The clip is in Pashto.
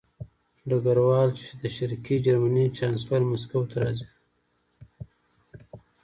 ډګروال وویل چې د شرقي جرمني چانسلر مسکو ته راځي